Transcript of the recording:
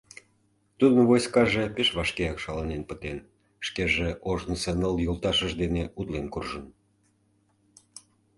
Тудын «войскаже» пеш вашкеак шаланен пытен, шкеже ожнысо ныл йолташыж дене утлен куржын.